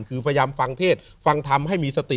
คือพยายามฟังเทศฟังทำให้มีสติ